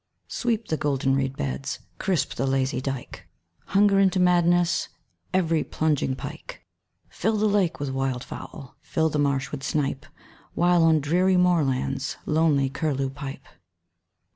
Sweep the golden reed beds; Crisp the lazy dyke; Hunger into madness Every plunging pike. Fill the lake with wild fowl; Fill the marsh with snipe; While on dreary moorlands Lonely curlew pipe.